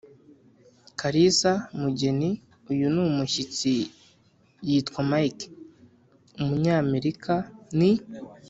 kalisa: mugeni, uyu ni mushyitsi yitwa mike, ni umunyamerika, ni